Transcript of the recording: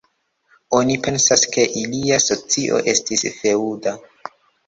Oni pensas, ke ilia socio estis feŭda.